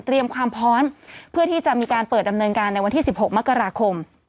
เตรียมความพ้อนเพื่อที่จะมีการเปิดดำเนินการในวันที่สิบหกมักราคม